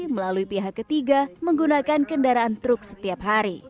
melalui pihak ketiga menggunakan kendaraan truk setiap hari